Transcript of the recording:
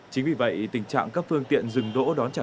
chính vì vậy tình trạng các phương tiện dừng đỗ đón trả khách